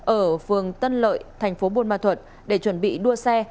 ở phường tân lợi thành phố buôn ma thuận để chuẩn bị đua xe